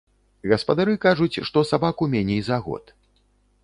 Гаспадары кажуць, што сабаку меней за год.